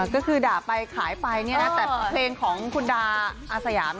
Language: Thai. ก็คือด่าไปขายไปแต่เพลงของคุณดาอาสยาม